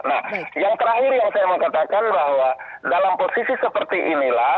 nah yang terakhir yang saya mau katakan bahwa dalam posisi seperti inilah